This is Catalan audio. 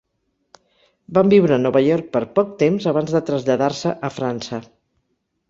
Van viure a Nova York per poc temps abans de traslladar-se a França.